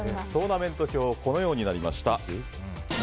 トーナメント表はこのようになりました。